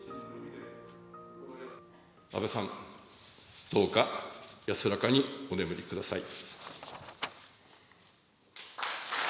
安倍さん、どうか安らかにお眠りください。